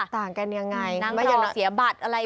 ต่างกันอย่างไรเหมือนเสียบัตรอะไร